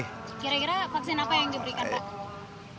kira kira vaksin apa yang diberikan pak